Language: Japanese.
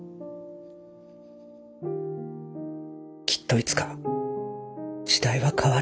きっといつか時代は変わる。